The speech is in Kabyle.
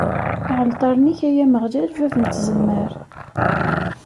Iɛalṭaren-ik, ay Ameɣlal, bab n tzemmar.